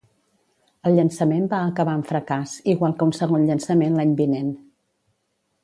El llançament va acabar en fracàs, igual que un segon llançament l'any vinent.